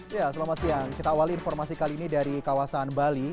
ya selamat siang kita awali informasi kali ini dari kawasan bali